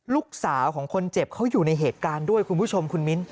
ลูกสาวของคนเจ็บเขาอยู่ในเหตุการณ์ด้วยคุณผู้ชมคุณมิ้น